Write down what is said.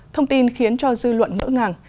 thông tin khiến cho dư luận ngỡ ngàng